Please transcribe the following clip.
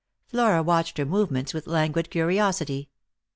Flara watched her movements with languid curiosity.